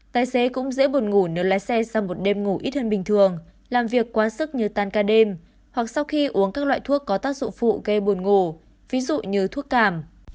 tài xế cũng dễ buồn ngủ nếu lái xe sang một đêm ngủ ít hơn bình thường làm việc quá sức như tan ca đêm hoặc sau khi uống các loại thuốc có tác dụng phụ gây buồn ngủ ví dụ như thuốc cảm